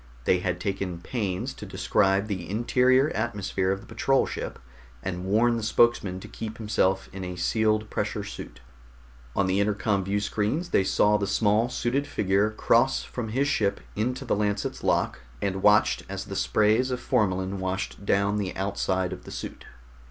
They had taken pains to describe the interior atmosphere of the patrol ship and warn the spokesman to keep himself in a sealed pressure suit. On the intercom viewscreens they saw the small suited figure cross from his ship into the Lancet's lock, and watched as the sprays of formalin washed down the outside of the suit.